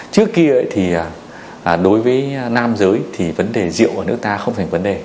trước kia thì đối với nam giới thì vấn đề rượu ở nước ta không thành vấn đề